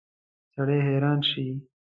سړی حیران شي.